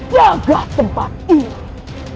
jaga tempat ini